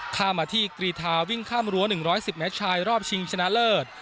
ข้ามมาที่กรีธาวิ่งข้ามรั้ว๑๑๐เมตรชายรอบชิงชนะเลิศ